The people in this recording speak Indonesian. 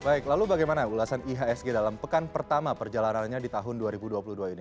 baik lalu bagaimana ulasan ihsg dalam pekan pertama perjalanannya di tahun dua ribu dua puluh dua ini